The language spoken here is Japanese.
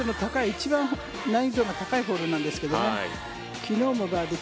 一番難易度が高いホールなんですが昨日もバーディー